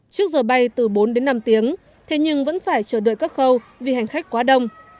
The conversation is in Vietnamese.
trước giờ bay từ bốn đến năm tiếng thế nhưng vẫn phải chờ đợi các khâu vì hành khách quá đông